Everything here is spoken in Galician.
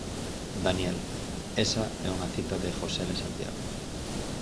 Daniel: Esa é unha cita de Josele Santiago.